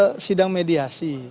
dalam sidang mediasi